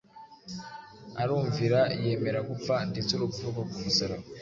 arumvira yemera gupfa “ndetse urupfu rwo ku musaraba,